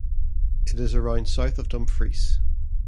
It is around south of Dumfries.